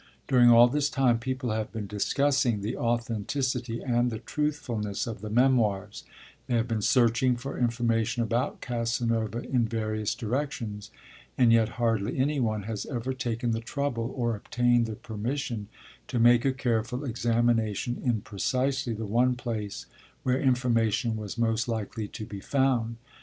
During all this time people have been discussing the authenticity and the truthfulness of the Memoirs, they have been searching for information about Casanova in various directions, and yet hardly any one has ever taken the trouble, or obtained the permission, to make a careful examination in precisely the one place where information was most likely to be found.